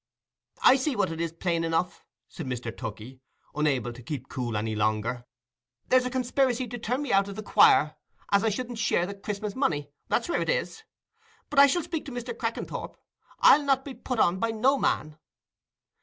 "I see what it is plain enough," said Mr. Tookey, unable to keep cool any longer. "There's a consperacy to turn me out o' the choir, as I shouldn't share the Christmas money—that's where it is. But I shall speak to Mr. Crackenthorp; I'll not be put upon by no man."